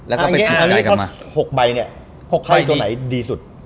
อันนี้๖ใบเนี่ยไพ่ตัวไหนดีสุด